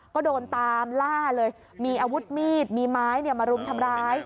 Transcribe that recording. ก็โดนตามล่าเลยมีอาวุธมีดมีไม้มารุมทำร้าย